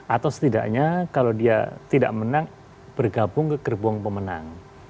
atau setidaknya kalau dia tidak menang bergabung ke gerbong pemenang